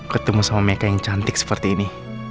ketemu sama mereka yang cantik seperti ini